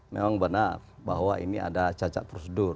memang benar bahwa ini ada cacat prosedur